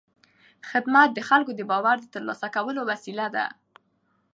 خدمت د خلکو د باور د ترلاسه کولو وسیله ده.